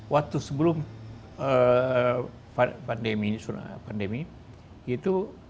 waktu sebelum pandemi itu